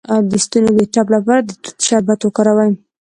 د ستوني د ټپ لپاره د توت شربت وکاروئ